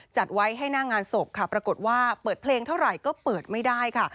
จัดไว้ให้หน้างานศพค่ะปรากฏว่าเปิดเพลงเท่าไหร่ก็เปิดไม่ได้ค่ะ